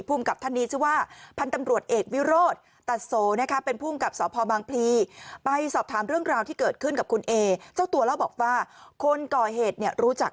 ผู้กัดท่านนี้ที่จะว่าพันธมรวช